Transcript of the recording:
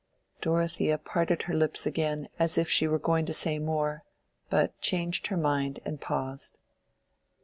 Dorothea parted her lips again as if she were going to say more, but changed her mind and paused.